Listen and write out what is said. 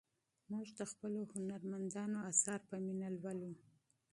موږ د خپلو هنرمندانو اثار په مینه لولو.